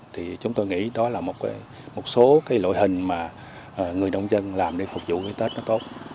thì chúng tôi nghĩ đó là một số cái loại hình mà người nông dân làm để phục vụ cái tết nó tốt